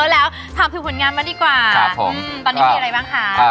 และก็น่ารักด้วยนะคะ